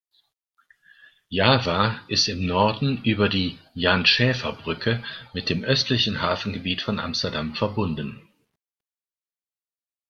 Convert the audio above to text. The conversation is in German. Java ist im Norden über die "Jan-Schaefer-Brücke" mit dem östlichen Hafengebiet von Amsterdam verbunden.